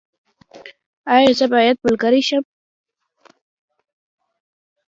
ایا زه باید ملګری شم؟